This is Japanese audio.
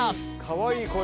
かわいい声。